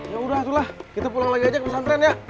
yaudah itulah kita pulang lagi aja ke pusat tren ya